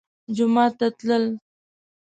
جومات ته تلل